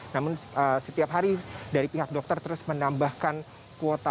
namun setiap hari dari pihak dokter terus menambahkan kuota